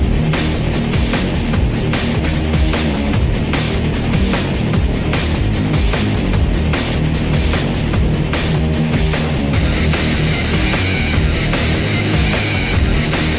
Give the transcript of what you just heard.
สุดยอดเลยแต่ไหนมาทั้งทีให้เขาโชว์แบบเต็มสตรีมไหม